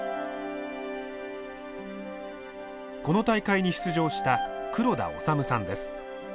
この大会に出場した黒田脩さんです。